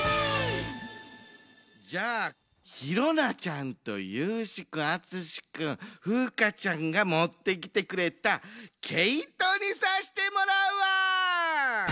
じゃあひろなちゃんとゆうしくん・あつしくん・ふうかちゃんがもってきてくれた毛糸にさしてもらうわ！